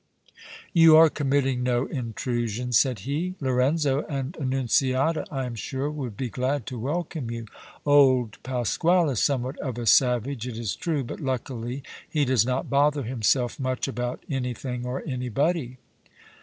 "You are committing no intrusion," said he. "Lorenzo and Annunziata, I am sure, would be glad to welcome you. Old Pasquale is somewhat of a savage, it is true, but luckily he does not bother himself much about anything or anybody."